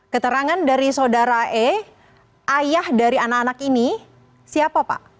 keterangan dari saudara e ayah dari anak anak ini siapa pak